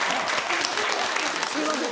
すいません